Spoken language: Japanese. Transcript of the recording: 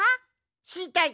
しりたい！